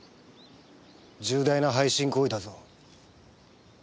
重大な背信行為だぞ。